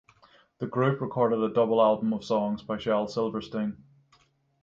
The group recorded a double album of songs by Shel Silverstein.